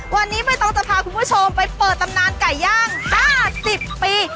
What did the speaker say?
วันนี้ไม่ต้องจะพาคุณผู้ชมไปเปิดตำนานไก่ย่าง๕๐ปี